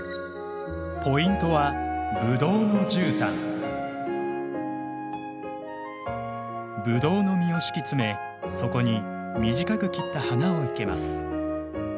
ポイントはブドウの実を敷き詰めそこに短く切った花を生けます。